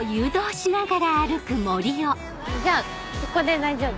じゃあここで大丈夫。